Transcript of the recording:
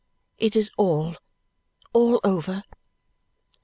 It is all, all over.